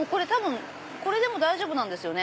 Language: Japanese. これでも大丈夫なんですよね。